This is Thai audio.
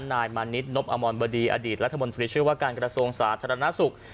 นายมานิดนบอมรบดีอดีตรัฐมนตรีช่วยว่าการกระทรวงสาธารณสุข